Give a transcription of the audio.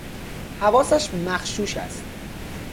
حواسش مغشوش است